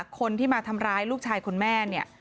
คนที่มาทำร้ายลูกชายคุณแม่เนี่ย